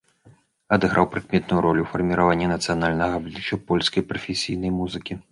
Адыграў прыкметную ролю ў фарміраванні нацыянальнага аблічча польскай прафесійнай музыкі.